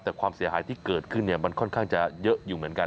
แต่ความเสียหายที่เกิดขึ้นมันค่อนข้างจะเยอะอยู่เหมือนกัน